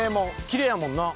きれいやもんな。